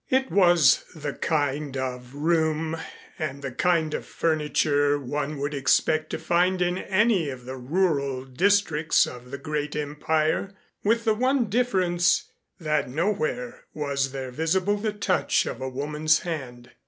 It was the kind of room, and the kind of furniture one would expect to find in any of the rural districts of the great empire, with the one difference that nowhere was there visible the touch of a woman's hand.